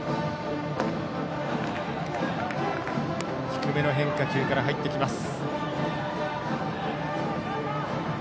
低めの変化球から入ります。